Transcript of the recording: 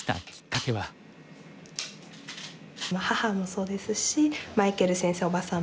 母もそうですしマイケル先生叔母様